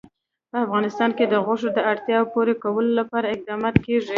په افغانستان کې د غوښې د اړتیاوو پوره کولو لپاره اقدامات کېږي.